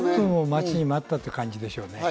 待ちに待ったという感じでしょうね。